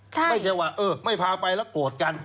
ไม่ใช่ว่าเออไม่พาไปแล้วโกรธกัน